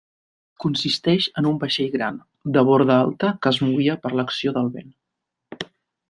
Consisteix en un vaixell gran, de borda alta que es movia per l'acció del vent.